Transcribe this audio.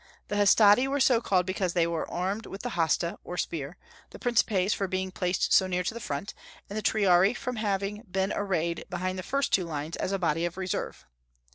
The Hastati were so called because they were armed with the hasta, or spear; the Principes for being placed so near to the front; the Triarii, from having been arrayed behind the first two lines as a body of reserve.